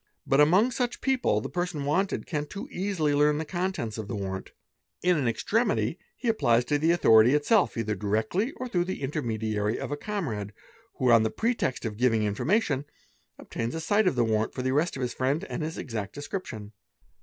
But among such people, the person wanted can but too easily learn the contents of the warrant. In 5; F n extremity he applies to the authority itself either directly or through the intermediary of a comrade, who, on the pretext of giving information, _ obtains a sight of the warrant for the arrest of his friend and his exact d escription.